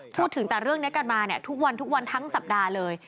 พูดถึงแต่เรื่องนี้กันมาทุกวันทั้งสัปดาห์เลย